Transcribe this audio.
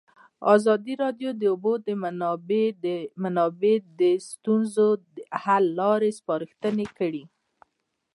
ازادي راډیو د د اوبو منابع د ستونزو حل لارې سپارښتنې کړي.